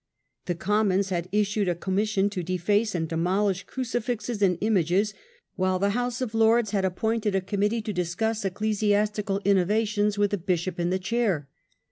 The Commons had issued a commission to deface and demolish crucifixes and images, while the House of Lords had appointed a committee to discuss ecclesiastical innovations with a bishop in the chair.